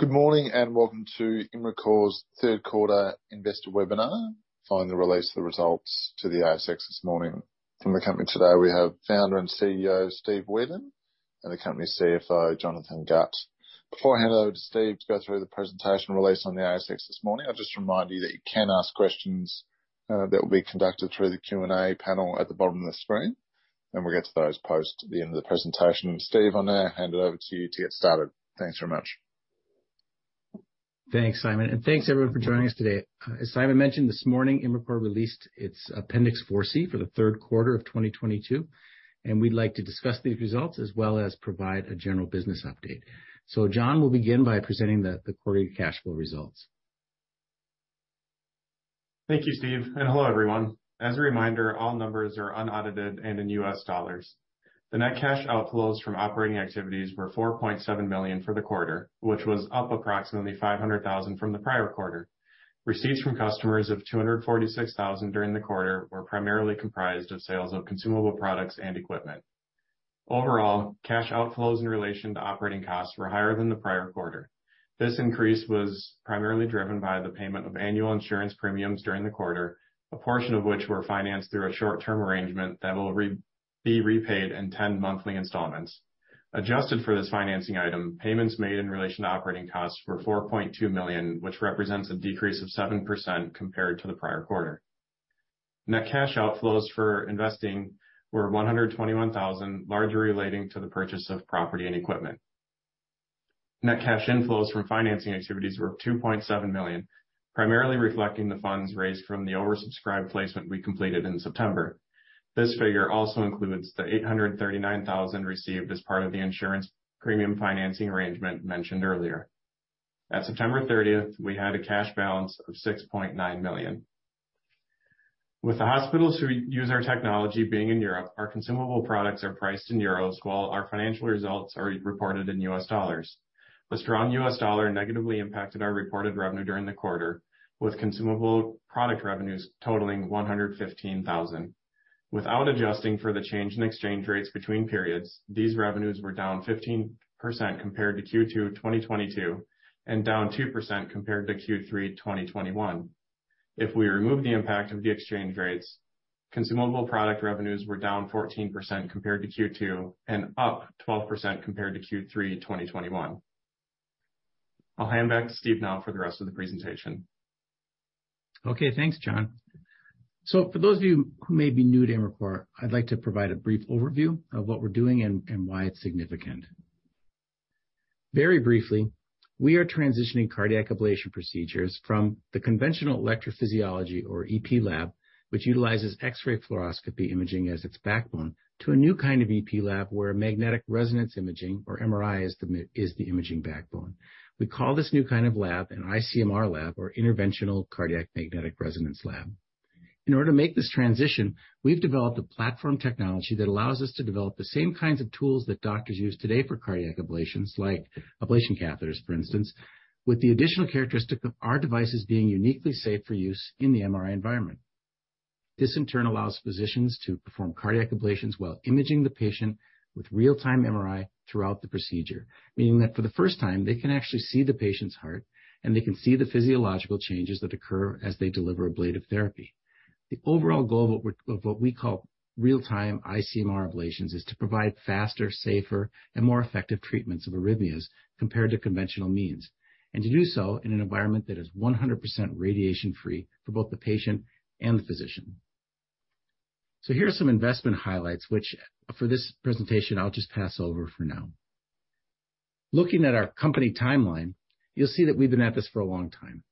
Good morning and welcome to Imricor's Q3 Investor Webinar following the release of the results to the ASX this morning. From the company today we have Founder and CEO, Steve Wedan, and the company's CFO, Jonathon Gut. Before I hand over to Steve to go through the presentation released on the ASX this morning, I'll just remind you that you can ask questions that will be conducted through the Q&A panel at the bottom of the screen, and we'll get to those post the end of the presentation. Steve, I'm gonna hand it over to you to get started. Thanks very much. Thanks, Simon, and thanks everyone for joining us today. As Simon mentioned this morning, Imricor released its Appendix 4C for the Q3 of 2022, and we'd like to discuss these results as well as provide a general business update. John will begin by presenting the quarterly cash flow results. Thank you, Steve, and hello, everyone. As a reminder, all numbers are unaudited and in US dollars. The net cash outflows from operating activities were $4.7 million for the quarter, which was up approximately $500,000 from the prior quarter. Receipts from customers of $246,000 during the quarter were primarily comprised of sales of consumable products and equipment. Overall, cash outflows in relation to operating costs were higher than the prior quarter. This increase was primarily driven by the payment of annual insurance premiums during the quarter, a portion of which were financed through a short-term arrangement that will be repaid in 10 monthly installments. Adjusted for this financing item, payments made in relation to operating costs were $4.2 million, which represents a decrease of 7% compared to the prior quarter. Net cash outflows for investing were $121,000, largely relating to the purchase of property and equipment. Net cash inflows from financing activities were $2.7 million, primarily reflecting the funds raised from the oversubscribed placement we completed in September. This figure also includes the $839,000 received as part of the insurance premium financing arrangement mentioned earlier. At September 30th, we had a cash balance of $6.9 million. With the hospitals who use our technology being in Europe, our consumable products are priced in euros while our financial results are reported in US dollars. The strong US dollar negatively impacted our reported revenue during the quarter, with consumable product revenues totaling $115,000. Without adjusting for the change in exchange rates between periods, these revenues were down 15% compared to Q2 2022 and down 2% compared to Q3 2021. If we remove the impact of the exchange rates, consumable product revenues were down 14% compared to Q2 and up 12% compared to Q3 2021. I'll hand back to Steve now for the rest of the presentation. Okay. Thanks, John. For those of you who may be new to Imricor, I'd like to provide a brief overview of what we're doing and why it's significant. Very briefly, we are transitioning cardiac ablation procedures from the conventional electrophysiology or EP lab, which utilizes X-ray fluoroscopy imaging as its backbone, to a new kind of EP lab where magnetic resonance imaging or MRI is the imaging backbone. We call this new kind of lab an ICMR lab, or interventional cardiac magnetic resonance lab. In order to make this transition, we've developed a platform technology that allows us to develop the same kinds of tools that doctors use today for cardiac ablations, like ablation catheters for instance, with the additional characteristic of our devices being uniquely safe for use in the MRI environment. This in turn allows physicians to perform cardiac ablations while imaging the patient with real-time MRI throughout the procedure. Meaning that for the 1st time, they can actually see the patient's heart, and they can see the physiological changes that occur as they deliver ablative therapy. The overall goal of what we call real-time ICMR ablations is to provide faster, safer, and more effective treatments of arrhythmias compared to conventional means, and to do so in an environment that is 100% radiation free for both the patient and the physician. Here are some investment highlights, which for this presentation I'll just pass over for now. Looking at our company timeline, you'll see that we've been at this for a long time.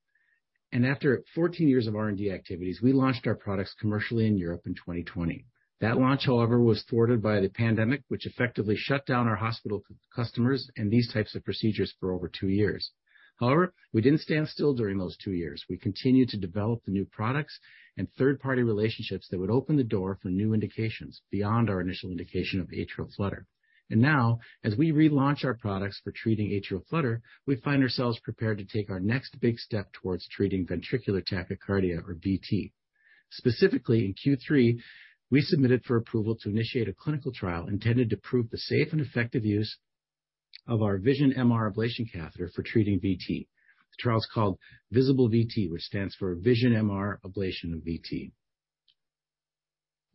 After 14 years of R&D activities, we launched our products commercially in Europe in 2020. That launch, however, was thwarted by the pandemic, which effectively shut down our hospital customers and these types of procedures for over two years. However, we didn't stand still during those two years. We continued to develop the new products and third-party relationships that would open the door for new indications beyond our initial indication of atrial flutter. Now, as we relaunch our products for treating atrial flutter, we find ourselves prepared to take our next big step towards treating ventricular tachycardia or VT. Specifically, in Q3, we submitted for approval to initiate a clinical trial intended to prove the safe and effective use of our Vision-MR Ablation Catheter for treating VT. The trial is called ViVTal VT, which stands for Vision-MR Ablation of VT.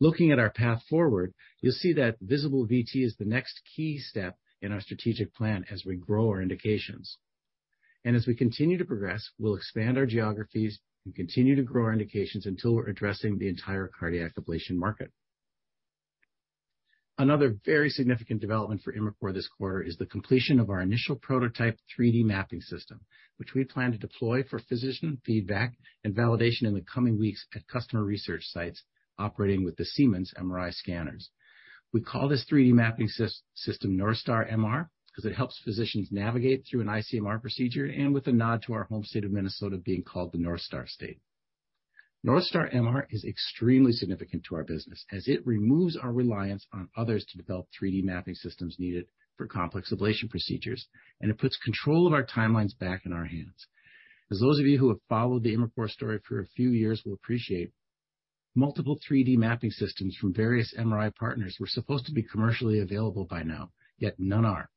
Looking at our path forward, you'll see that ViVTal VT is the next key step in our strategic plan as we grow our indications. As we continue to progress, we'll expand our geographies and continue to grow our indications until we're addressing the entire cardiac ablation market. Another very significant development for Imricor this quarter is the completion of our initial prototype 3D mapping system, which we plan to deploy for physician feedback and validation in the coming weeks at customer research sites operating with the Siemens MRI scanners. We call this 3D mapping system NorthStar MR because it helps physicians navigate through an ICMR procedure and with a nod to our home state of Minnesota being called the NorthStar State. NorthStar MR is extremely significant to our business as it removes our reliance on others to develop 3D mapping systems needed for complex ablation procedures, and it puts control of our timelines back in our hands. Those of you who have followed the Imricor story for a few years will appreciate, multiple 3D mapping systems from various MRI partners were supposed to be commercially available by now, yet none are.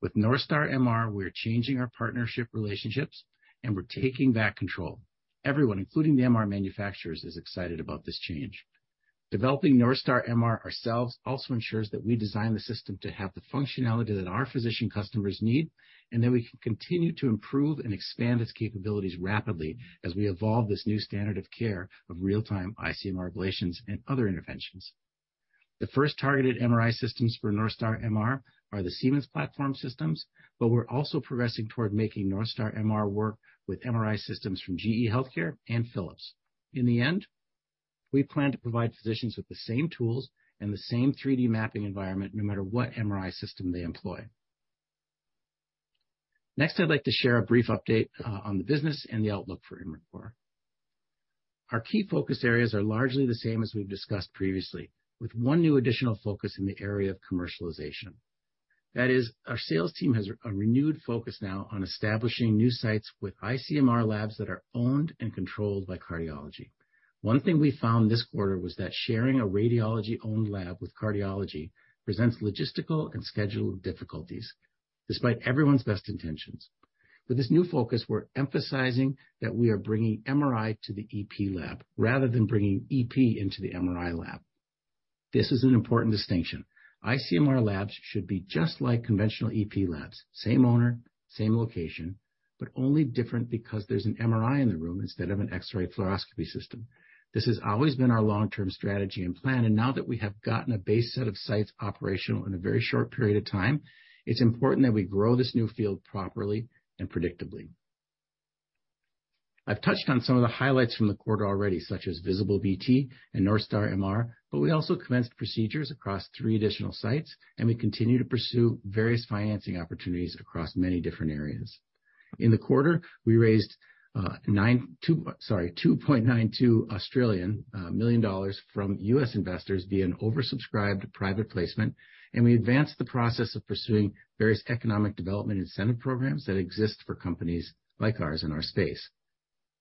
With NorthStar MR, we're changing our partnership relationships, and we're taking back control. Everyone, including the MR manufacturers, is excited about this change. Developing Northstar MR ourselves also ensures that we design the system to have the functionality that our physician customers need, and that we can continue to improve and expand its capabilities rapidly as we evolve this new standard of care of real-time ICMR ablations and other interventions. The 1st targeted MRI systems for Northstar MR are the Siemens platform systems, but we're also progressing toward making Northstar MR work with MRI systems from GE Healthcare and Philips. In the end, we plan to provide physicians with the same tools and the same 3D mapping environment no matter what MRI system they employ. Next, I'd like to share a brief update on the business and the outlook for Imricor. Our key focus areas are largely the same as we've discussed previously, with one new additional focus in the area of commercialization. That is, our sales team has a renewed focus now on establishing new sites with ICMR labs that are owned and controlled by cardiology. One thing we found this quarter was that sharing a radiology-owned lab with cardiology presents logistical and schedule difficulties despite everyone's best intentions. With this new focus, we're emphasizing that we are bringing MRI to the EP lab rather than bringing EP into the MRI lab. This is an important distinction. ICMR labs should be just like conventional EP labs, same owner, same location, but only different because there's an MRI in the room instead of an X-ray fluoroscopy system. This has always been our long-term strategy and plan, and now that we have gotten a base set of sites operational in a very short period of time, it's important that we grow this new field properly and predictably. I've touched on some of the highlights from the quarter already, such as ViVTal VT and NorthStar MR, but we also commenced procedures across three additional sites, and we continue to pursue various financing opportunities across many different areas. In the quarter, we raised 2.92 million dollars from US investors via an oversubscribed private placement, and we advanced the process of pursuing various economic development incentive programs that exist for companies like ours in our space.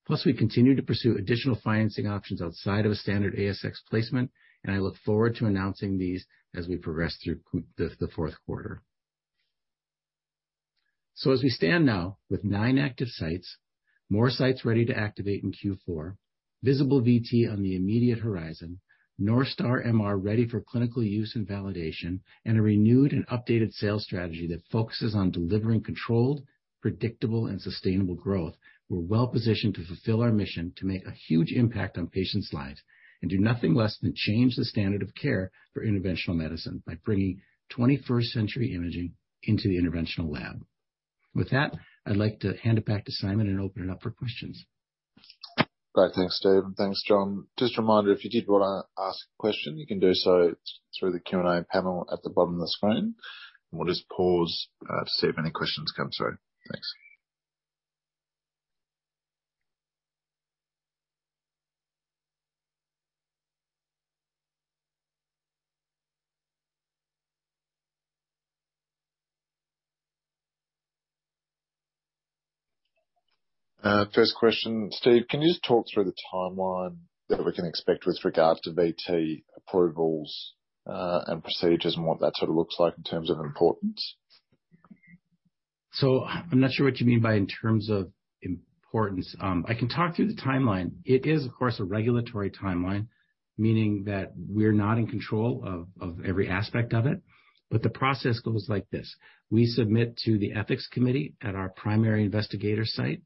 Plus, we continue to pursue additional financing options outside of a standard ASX placement, and I look forward to announcing these as we progress through the Q4. As we stand now with nine active sites, more sites ready to activate in Q4, visible VT on the immediate horizon, NorthStar MR ready for clinical use and validation, and a renewed and updated sales strategy that focuses on delivering controlled, predictable, and sustainable growth. We're well-positioned to fulfill our mission to make a huge impact on patients' lives and do nothing less than change the standard of care for interventional medicine by bringing 21st-century imaging into the interventional lab. With that, I'd like to hand it back to Simon and open it up for questions. Great. Thanks, Steve. Thanks, John. Just a reminder, if you did wanna ask a question, you can do so through the Q&A panel at the bottom of the screen. We'll just pause to see if any questions come through. Thanks. 1st question, Steve. Can you just talk through the timeline that we can expect with regard to VT approvals and procedures and what that sort of looks like in terms of importance? I'm not sure what you mean by in terms of importance. I can talk through the timeline. It is, of course, a regulatory timeline, meaning that we're not in control of every aspect of it. The process goes like this. We submit to the ethics committee at our primary investigator site,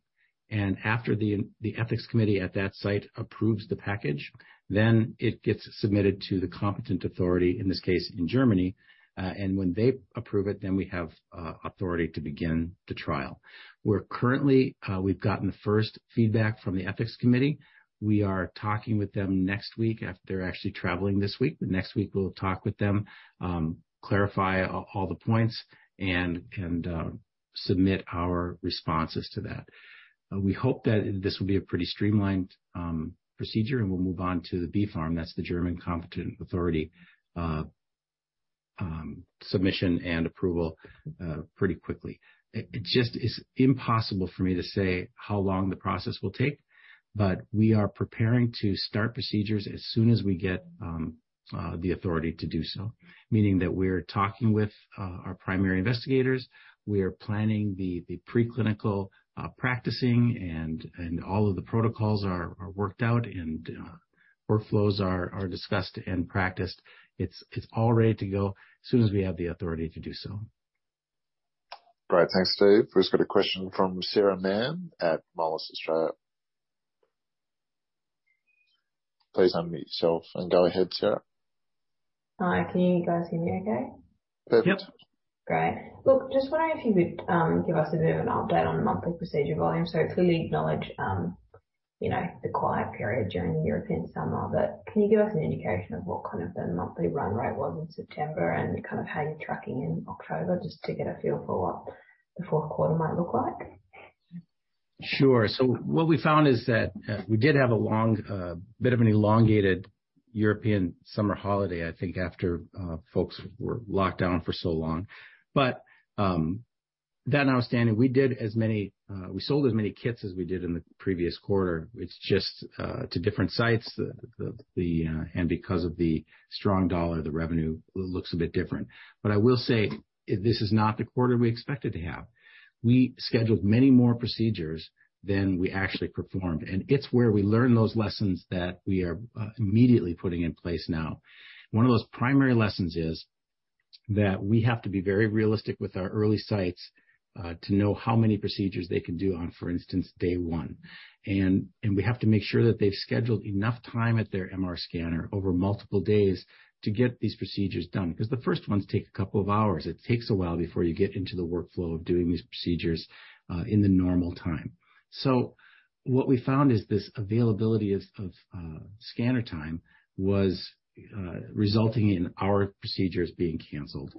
and after the ethics committee at that site approves the package, then it gets submitted to the competent authority, in this case, in Germany. When they approve it, then we have authority to begin the trial. We've gotten the 1st feedback from the ethics committee. We are talking with them next week. They're actually traveling this week, but next week we'll talk with them, clarify all the points and submit our responses to that. We hope that this will be a pretty streamlined procedure, and we'll move on to the BfArM. That's the German competent authority, submission and approval pretty quickly. It just is impossible for me to say how long the process will take, but we are preparing to start procedures as soon as we get the authority to do so. Meaning that we're talking with our primary investigators. We are planning the preclinical practicing and all of the protocols are worked out and workflows are discussed and practiced. It's all ready to go as soon as we have the authority to do so. Great. Thanks, Steve. We've just got a question from Sarah Mann at Morgans Australia. Please unmute yourself and go ahead, Sarah. Hi. Can you guys hear me okay? Perfect. Yep. Great. Look, just wondering if you would give us a bit of an update on monthly procedure volume. It's fully acknowledged, you know, the quiet period during the European summer, but can you give us an indication of what kind of the monthly run rate was in September and kind of how you're tracking in October, just to get a feel for what the Q4 might look like? Sure. What we found is that we did have a long bit of an elongated European summer holiday, I think, after folks were locked down for so long. That notwithstanding, we sold as many kits as we did in the previous quarter. It's just to different sites, and because of the strong dollar, the revenue looks a bit different. I will say this is not the quarter we expected to have. We scheduled many more procedures than we actually performed, and it's where we learn those lessons that we are immediately putting in place now. One of those primary lessons is that we have to be very realistic with our early sites to know how many procedures they can do on, for instance, day one. We have to make sure that they've scheduled enough time at their MR scanner over multiple days to get these procedures done, because the 1st ones take a couple of hours. It takes a while before you get into the workflow of doing these procedures in the normal time. What we found is this availability of scanner time was resulting in our procedures being canceled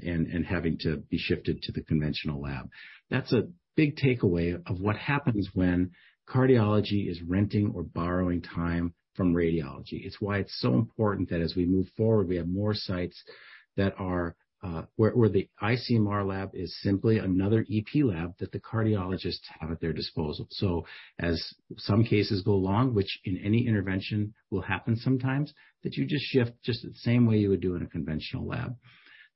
and having to be shifted to the conventional lab. That's a big takeaway of what happens when cardiology is renting or borrowing time from radiology. It's why it's so important that as we move forward, we have more sites that are where the ICMR lab is simply another EP lab that the cardiologists have at their disposal. As some cases go along, which in any intervention will happen sometimes, that you just shift the same way you would do in a conventional lab.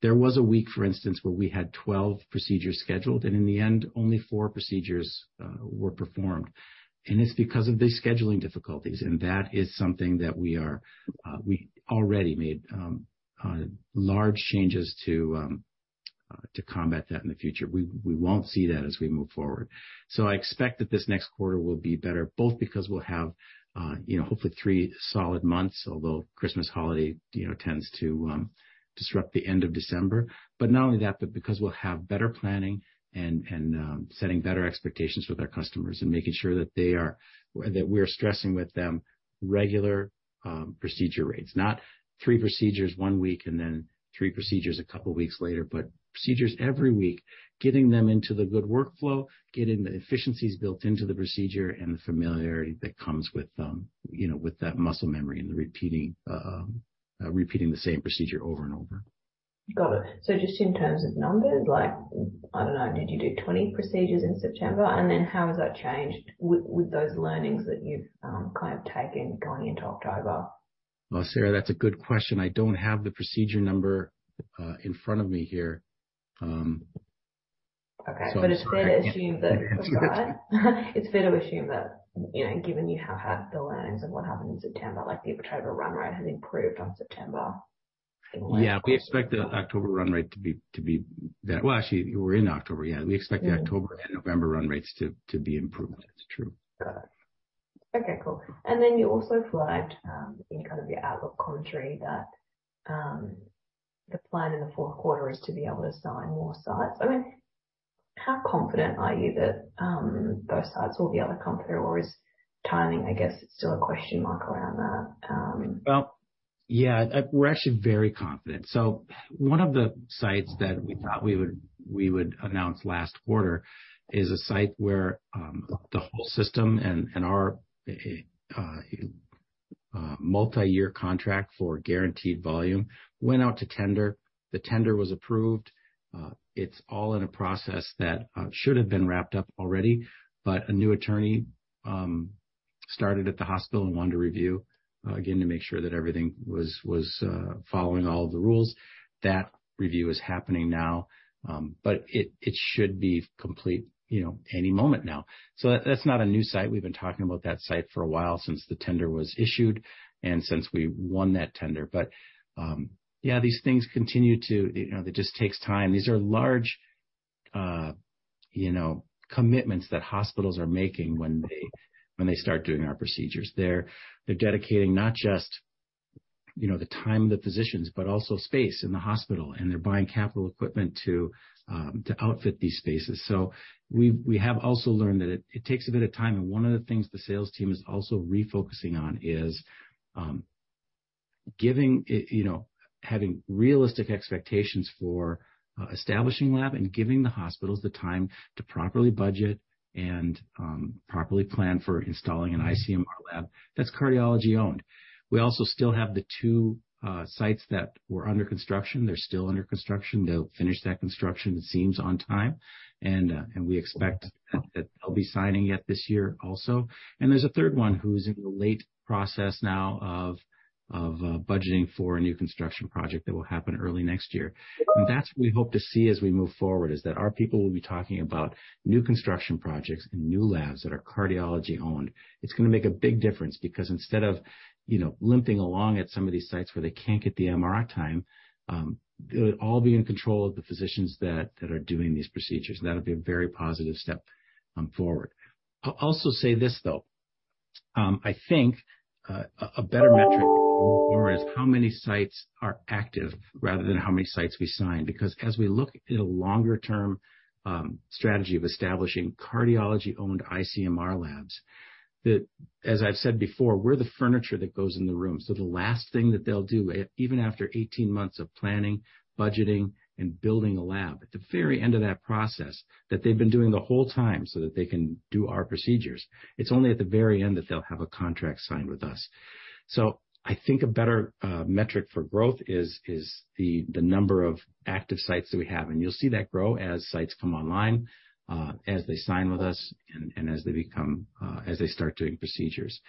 There was a week, for instance, where we had 12 procedures scheduled, and in the end, only four procedures were performed. It's because of these scheduling difficulties, and that is something that we already made large changes to combat that in the future. We won't see that as we move forward. I expect that this next quarter will be better, both because we'll have, you know, hopefully three solid months, although Christmas holiday, you know, tends to disrupt the end of December. Not only that, but because we'll have better planning and setting better expectations with our customers and making sure that we're stressing with them regular procedure rates. Not three procedures one week and then three procedures a couple of weeks later, but procedures every week, getting them into the good workflow, getting the efficiencies built into the procedure and the familiarity that comes with you know with that muscle memory and repeating the same procedure over and over. Got it. Just in terms of numbers, like, I don't know, did you do 20 procedures in September? How has that changed with those learnings that you've kind of taken going into October? Well, Sarah, that's a good question. I don't have the procedure number in front of me here. Okay. It's fair to assume that. I'm just trying to get the answer. It's fair to assume that, you know, given you have the learnings of what happened in September, like, the October run rate has improved on September in a way. Yeah. We expect the October run rate to be better. Well, actually, we're in October. Yeah. Yeah. We expect the October and November run rates to be improved. It's true. Got it. Okay, cool. You also flagged, in kind of your outlook commentary that, the plan in the Q4 is to be able to sign more sites. I mean, how confident are you that, those sites will be able to come through or is timing, I guess, still a question mark around that? Well, yeah. We're actually very confident. One of the sites that we thought we would announce last quarter is a site where the whole system and our multi-year contract for guaranteed volume went out to tender. The tender was approved. It's all in a process that should have been wrapped up already. A new attorney started at the hospital and wanted to review again to make sure that everything was following all of the rules. That review is happening now, but it should be complete, you know, any moment now. That's not a new site. We've been talking about that site for a while, since the tender was issued and since we won that tender. Yeah, these things continue to, you know, it just takes time. These are large, you know, commitments that hospitals are making when they start doing our procedures. They're dedicating not just, you know, the time of the physicians, but also space in the hospital, and they're buying capital equipment to outfit these spaces. We have also learned that it takes a bit of time. One of the things the sales team is also refocusing on is having realistic expectations for establishing lab and giving the hospitals the time to properly budget and properly plan for installing an ICMR lab that's cardiology-owned. We also still have the two sites that were under construction. They're still under construction. They'll finish that construction, it seems, on time. We expect that they'll be signing it this year also. There's a third one who's in the late process now of budgeting for a new construction project that will happen early next year. That's what we hope to see as we move forward, is that our people will be talking about new construction projects and new labs that are cardiology-owned. It's gonna make a big difference because instead of, you know, limping along at some of these sites where they can't get the MRI time, it would all be in control of the physicians that are doing these procedures. That'll be a very positive step forward. I'll also say this, though. I think a better metric going forward is how many sites are active rather than how many sites we sign, because as we look at a longer-term strategy of establishing cardiology-owned ICMR labs. That as I've said before, we're the furniture that goes in the room. So the last thing that they'll do, even after 18 months of planning, budgeting, and building a lab. At the very end of that process that they've been doing the whole time so that they can do our procedures, it's only at the very end that they'll have a contract signed with us. So I think a better metric for growth is the number of active sites that we have. You'll see that grow as sites come online, as they sign with us and as they start doing procedures.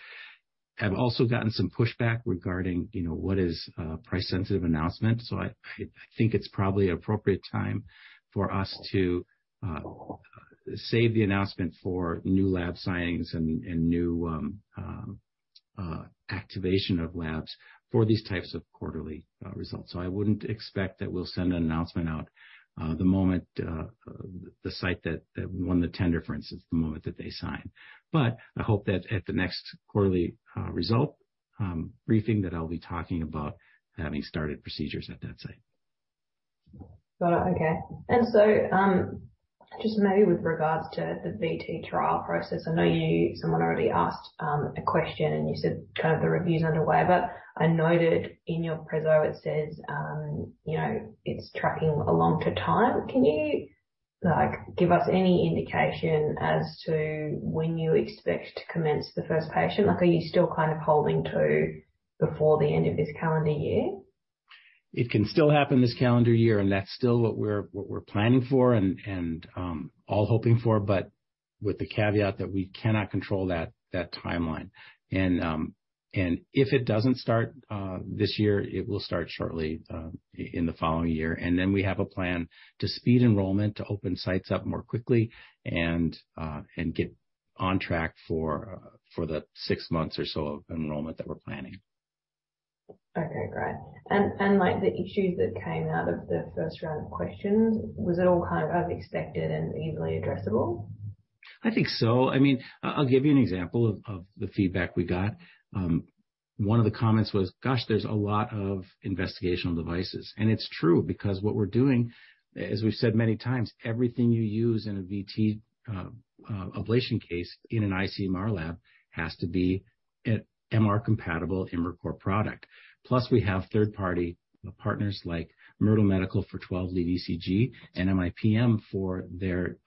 I've also gotten some pushback regarding, you know, what is a price-sensitive announcement. I think it's probably appropriate time for us to save the announcement for new lab signings and new activation of labs for these types of quarterly results. I wouldn't expect that we'll send an announcement out the moment the site that won the tender, for instance, the moment that they sign. I hope that at the next quarterly result briefing that I'll be talking about having started procedures at that site. Got it. Okay. Just maybe with regards to the VT trial process, I know you-- someone already asked, a question, and you said kind of the review's underway, but I noted in your presentation it says, you know, it's tracking along on time. Can you, like, give us any indication as to when you expect to commence the 1st patient? Like, are you still kind of holding to before the end of this calendar year? It can still happen this calendar year, and that's still what we're planning for and all hoping for, but with the caveat that we cannot control that timeline. If it doesn't start this year, it will start shortly in the following year. We have a plan to speed enrollment, to open sites up more quickly and get on track for the six months or so of enrollment that we're planning. Okay, great. Like the issues that came out of the 1st round of questions, was it all kind of as expected and easily addressable? I think so. I mean, I'll give you an example of the feedback we got. One of the comments was, "Gosh, there's a lot of investigational devices." It's true because what we're doing, as we've said many times, everything you use in a VT ablation case in an ICMR lab has to be a MR-compatible MR core product. Plus, we have third-party partners like MiRTLE Medical for 12-lead ECG and MIPM for their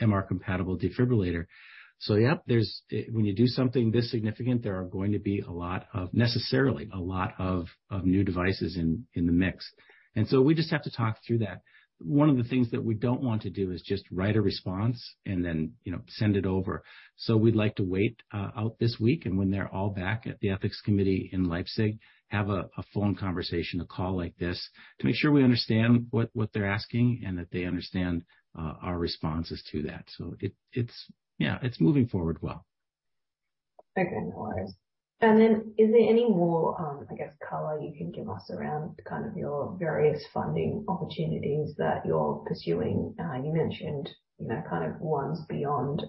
MR-compatible defibrillator. When you do something this significant, there are going to be necessarily a lot of new devices in the mix. We just have to talk through that. One of the things that we don't want to do is just write a response and then, you know, send it over. We'd like to wait out this week, and when they're all back at the ethics committee in Leipzig, have a phone conversation, a call like this, to make sure we understand what they're asking and that they understand our responses to that. Yeah, it's moving forward well. Okay. No worries. Is there any more, I guess, color you can give us around kind of your various funding opportunities that you're pursuing? You mentioned, you know, kind of ones beyond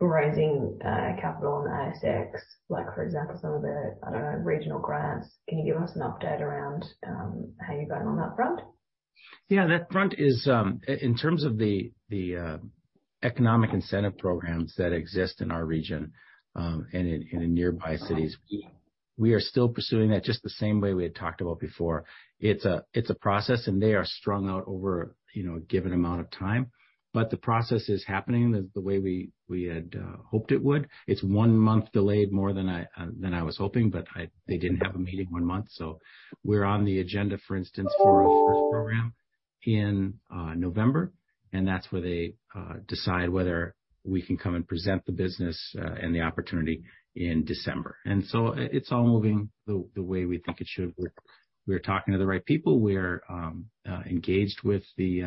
raising capital on the ASX, like, for example, some of the, I don't know, regional grants. Can you give us an update around how you're going on that front? Yeah, that front is in terms of the economic incentive programs that exist in our region, and in nearby cities, we are still pursuing that just the same way we had talked about before. It's a process, and they are strung out over, you know, a given amount of time. The process is happening the way we had hoped it would. It's one month delayed more than I was hoping, but they didn't have a meeting one month. We're on the agenda, for instance, for a 1st program in November, and that's where they decide whether we can come and present the business and the opportunity in December. It's all moving the way we think it should. We're talking to the right people. We're engaged with the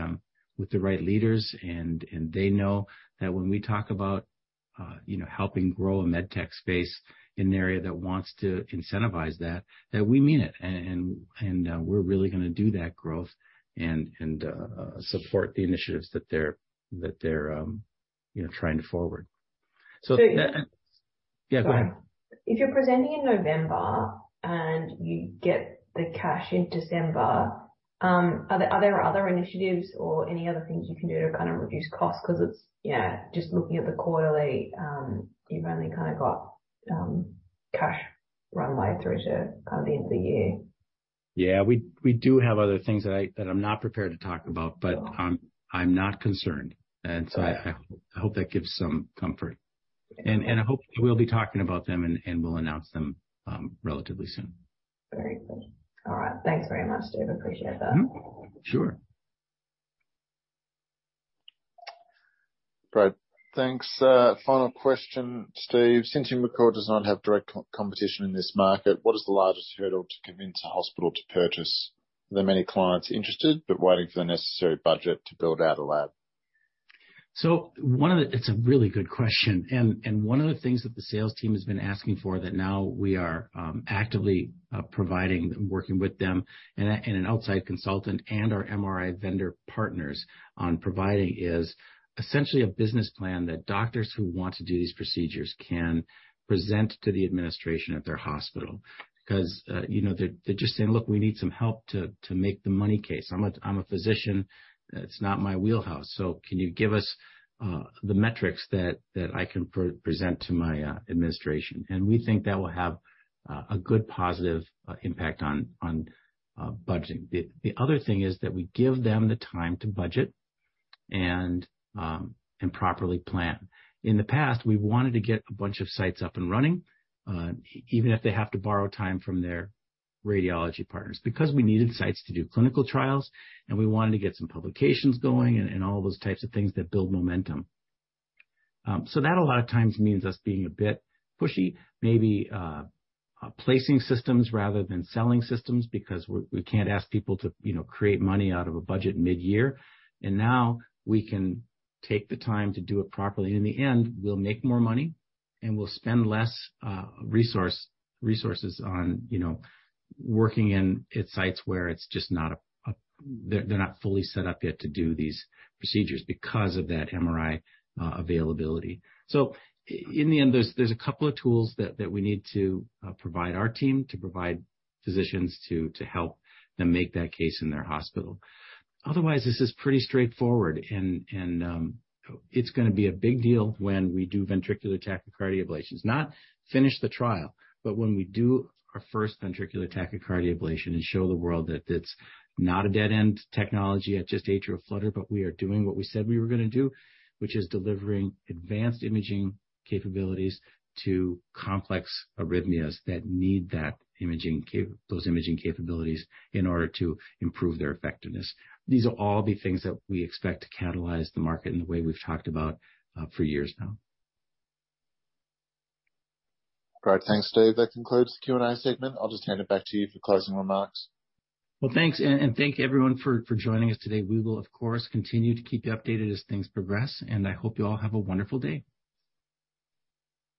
right leaders, and they know that when we talk about, you know, helping grow a med tech space in an area that wants to incentivize that we mean it. And we're really gonna do that growth and support the initiatives that they're, you know, trying to forward. So- Yeah, go ahead. If you're presenting in November and you get the cash in December, are there other initiatives or any other things you can do to kind of reduce costs? 'Cause it's yeah, just looking at the quarterly, you've only kind of got cash runway through to kind of the end of the year. Yeah, we do have other things that I'm not prepared to talk about, but I'm not concerned. I hope that gives some comfort. I hope we'll be talking about them and we'll announce them relatively soon. Very good. All right. Thanks very much, Steve. I appreciate that. Mm-hmm. Sure. Great. Thanks. Final question, Steve. Since Imricor does not have direct competition in this market, what is the largest hurdle to convince a hospital to purchase? There are many clients interested but waiting for the necessary budget to build out a lab. It's a really good question. One of the things that the sales team has been asking for that now we are actively providing, working with them and an outside consultant and our MRI vendor partners on providing is essentially a business plan that doctors who want to do these procedures can present to the administration at their hospital. 'Cause you know, they're just saying, "Look, we need some help to make the money case. I'm a physician. It's not my wheelhouse. So can you give us the metrics that I can present to my administration?" We think that will have a good positive impact on budgeting. The other thing is that we give them the time to budget and properly plan. In the past, we wanted to get a bunch of sites up and running, even if they have to borrow time from their radiology partners, because we needed sites to do clinical trials, and we wanted to get some publications going and all those types of things that build momentum. That a lot of times means us being a bit pushy, maybe, placing systems rather than selling systems because we can't ask people to, you know, create money out of a budget mid-year. Now we can take the time to do it properly. In the end, we'll make more money and we'll spend less resources on, you know, working at sites where it's just not they're not fully set up yet to do these procedures because of that MRI availability. In the end, there's a couple of tools that we need to provide our team to provide physicians to help them make that case in their hospital. Otherwise, this is pretty straightforward and it's gonna be a big deal when we do ventricular tachycardia ablations. Not finish the trial, but when we do our 1st ventricular tachycardia ablation and show the world that it's not a dead-end technology at just atrial flutter, but we are doing what we said we were gonna do, which is delivering advanced imaging capabilities to complex arrhythmias that need that imaging those imaging capabilities in order to improve their effectiveness. These will all be things that we expect to catalyze the market in the way we've talked about for years now. Great. Thanks, Steve. That concludes the Q&A segment. I'll just hand it back to you for closing remarks. Well, thanks and thank you everyone for joining us today. We will, of course, continue to keep you updated as things progress, and I hope you all have a wonderful day.